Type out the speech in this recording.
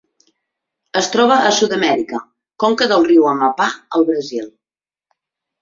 Es troba a Sud-amèrica: conca del riu Amapá al Brasil.